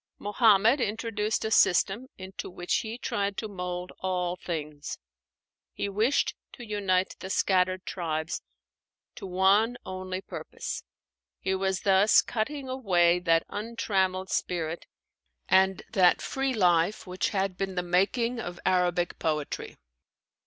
Muhammad introduced a system into which he tried to mold all things. He wished to unite the scattered tribes to one only purpose. He was thus cutting away that untrammeled spirit and that free life which had been the making of Arabic poetry.